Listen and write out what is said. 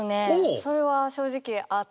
それは正直あって。